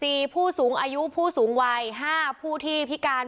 ผู้สูงอายุผู้สูงวัยห้าผู้ที่พิการ